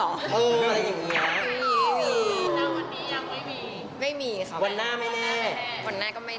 ตอนวันวันนั่งยังไม่มี